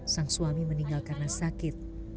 sang suami meninggal karena sakit